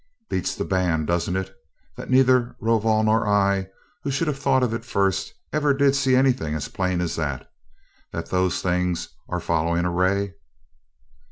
Beats the band, doesn't it, that neither Rovol nor I, who should have thought of it first, ever did see anything as plain as that? That those things are following a ray?"